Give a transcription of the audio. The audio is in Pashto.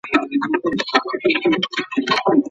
کوم شی په اوسني ژوند کي تر ټولو ډېر اړین دی؟